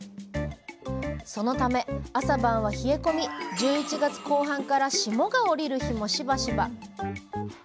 そのため朝晩は冷え込み１１月後半から霜が降りる日もしばしば。